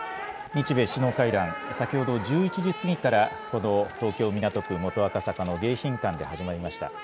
日米首脳会談、先ほど１１時過ぎからこの東京港区元赤坂の迎賓館で始まりました。